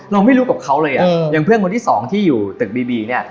เราไม่รู้กับเขาเลยอ่ะอย่างเพื่อนคนที่สองที่อยู่ตึกบีบีเนี่ย